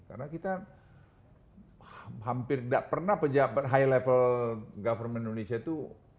karena kita hampir tidak pernah pejabat high level government indonesia itu